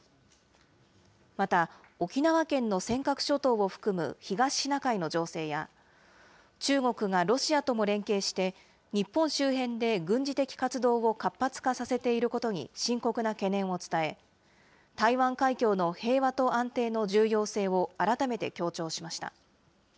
また、沖縄県の尖閣諸島を含む東シナ海の情勢や、中国がロシアとも連携して、日本周辺で軍事的活動を活発化させていることに深刻な懸念を伝え、台湾海峡の平和と安定の重要性を改めて強調しました。